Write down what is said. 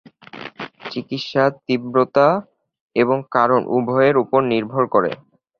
চিকিৎসা তীব্রতা এবং কারণ উভয়ের উপর নির্ভর করে।